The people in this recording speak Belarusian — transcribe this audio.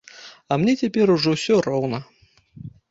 Але мне цяпер ужо ўсё роўна.